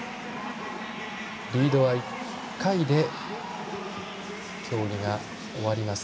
リードは１回で競技が終わります